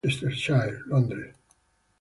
James en Worcestershire, Londres.